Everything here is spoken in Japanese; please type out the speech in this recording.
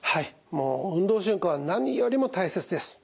もう運動習慣は何よりも大切です。